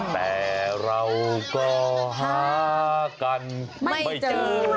แต่เราก็หากันไม่เจอ